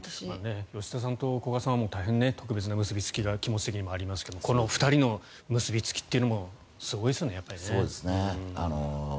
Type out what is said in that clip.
吉田さんと古賀さんは大変特別な結びつきが気持ち的にもありますがこの２人の結びつきというのもすごいですねやっぱりね。